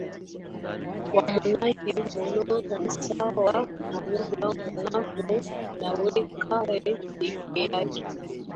wamonaki monos sawa na moja monakos anayekaa peke yake